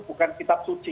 bukan kitab suci